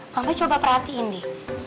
mama coba perhatiin deh